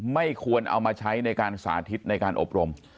ไม่ควรเอามาใช้ในการสาธิตในการอบรม